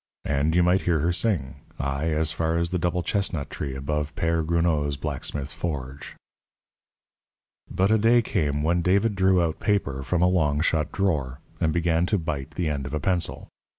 And you might hear her sing, aye, as far as the double chestnut tree above Père Gruneau's blacksmith forge. But a day came when David drew out paper from a long shut drawer, and began to bite the end of a pencil.